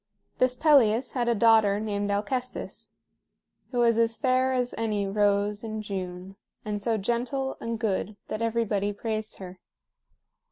This Pelias had a daughter named Alcestis, who was as fair as any rose in June and so gentle and good that everybody praised her.